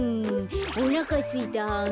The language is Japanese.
おなかすいたははん。